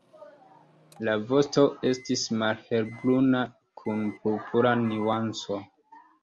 La vosto estis malhelbruna kun purpura nuanco.